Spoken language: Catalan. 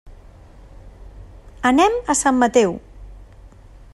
Anem a Sant Mateu.